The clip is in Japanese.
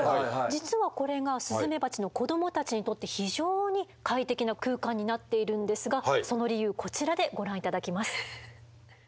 実はこれがスズメバチの子どもたちにとって非常に快適な空間になっているんですがその理由こちらでご覧頂きます。